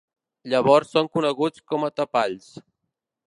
Llavors són coneguts com a tapalls.